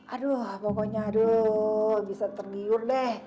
aduh pokoknya bisa terliur deh